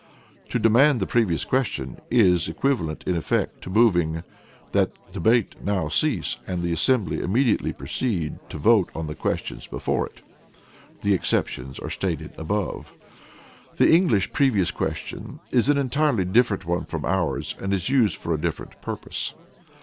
To demand the previous question is equivalent in effect to moving "That debate now cease, and the assembly immediately proceed to vote on the questions before it," (the exceptions are stated above). The English Previous Question is an entirely different one from ours, and is used for a different purpose.